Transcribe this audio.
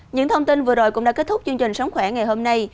những thông tin vừa rồi cũng đã kết thúc chương trình sống khỏe ngày hôm nay